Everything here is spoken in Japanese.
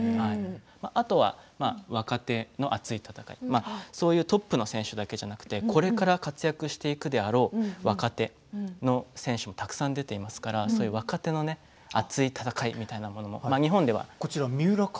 あとは若手の熱い戦いそういうトップの選手だけではなくて、これから活躍していくであろう若手の選手もたくさん出ていますからそういう若手の熱い戦いみたいなものも、日本では。